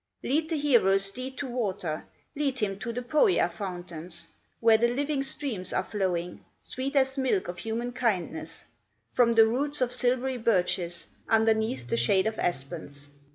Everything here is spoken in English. "Lead the hero's steed to water, Lead him to the Pohya fountains, Where the living streams are flowing, Sweet as milk of human kindness, From the roots of silvery birches, Underneath the shade of aspens.